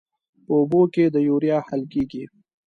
په اوبو کې د یوریا حل کیږي.